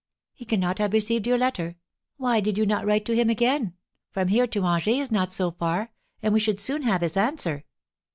"He cannot have received your letter. Why did not you write to him again? From here to Angers is not so far, and we should soon have his answer."